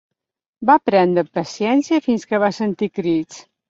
Va prendre paciència fins que va sentir crits.